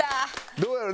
どうやろ？